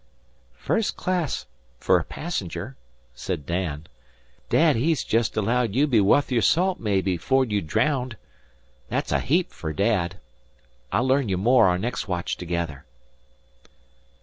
"Fust class fer a passenger," said Dan. "Dad he's jest allowed you'll be wuth your salt maybe 'fore you're draownded. Thet's a heap fer Dad. I'll learn you more our next watch together."